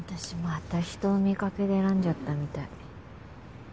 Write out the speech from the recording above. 私また人を見掛けで選んじゃったみたい。